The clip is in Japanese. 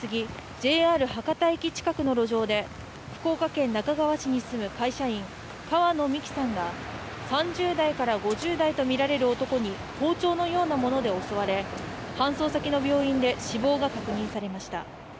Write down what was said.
ＪＲ博多駅近くの路上で福岡県那珂川市に住む会社員川野美樹さんが３０代から５０代とみられる男に包丁のようなもので襲われ搬送先の病院で死亡が確認されました。